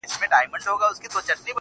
او له سترگو يې څو سپيني مرغلري.